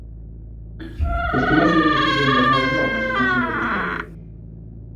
Os que máis se benefician das novas normas están sendo os hostaleiros.